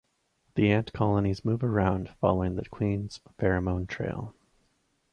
The ant colonies move around following the queen’s pheromone trail.